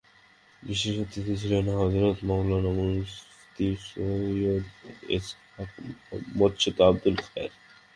বিশেষ অতিথি ছিলেন হযরত মওলানা মুফতি সৈয়দ এছহাক মুহামঞ্চদ আবুল খায়ের।